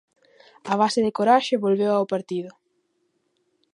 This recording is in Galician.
A base de coraxe volveu ao partido.